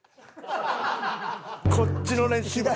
こっちの練習。